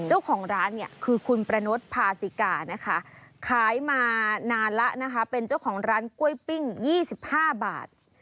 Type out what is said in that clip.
เจ้าของร้านเนี่ยคือคุณประนดพาสิกานะคะขายมานานแล้วนะคะเป็นเจ้าของร้านกล้วยปิ้ง๒๕บาท